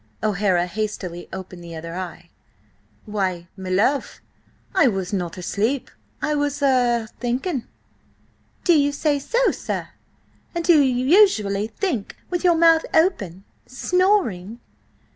O'Hara hastily opened the other eye. "Why, my love, I was not asleep! I was–er–thinking!" "Do you say so, sir? And do you usually think with your mouth open–snoring?"